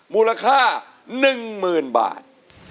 มูลค่า๑๐๐๐บาท